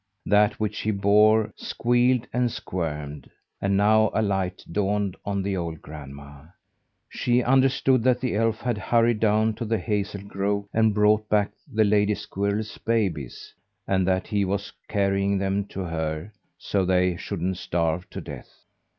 That which he bore squealed and squirmed. And now a light dawned on the old grandma. She understood that the elf had hurried down to the hazel grove and brought back the lady squirrel's babies; and that he was carrying them to her so they shouldn't starve to death.